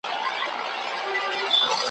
له باده سره الوزي پیمان په باور نه دی !.